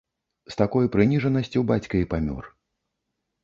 З такой прыніжанасцю бацька і памёр.